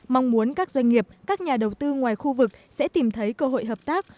mong muốn các doanh nghiệp các nhà đầu tư ngoài khu vực sẽ tìm thấy cơ hội hợp tác